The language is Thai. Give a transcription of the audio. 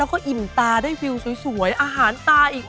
แล้วก็อิ่มตาได้วิวสวยอาหารตาอีก